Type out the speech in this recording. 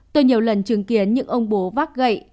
tôi nhiều lần chứng kiến những ông bố vác gậy